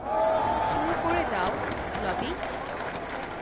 শুরু করে দাও, ব্লবি!